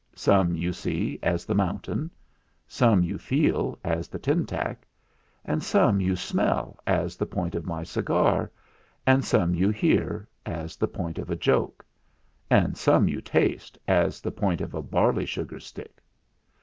Some you see, as the mountain; and some you feel, as the tintack; and some you smell, as the point of my cigar; and some you hear, as the point of a joke; and some you taste, as the point of a barley sugar stick.